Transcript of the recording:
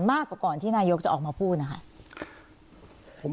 มากกว่าก่อนที่นายกจะออกมาพูดนะคะ